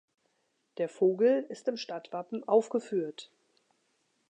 Der Vogel ist im Stadtwappen aufgeführt.